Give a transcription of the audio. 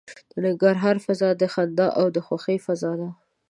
د ننګرهار فضا د خندا او خوښۍ فضا ده.